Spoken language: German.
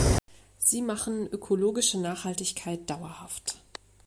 Sie machen ökologische Nachhaltigkeit dauerhaft.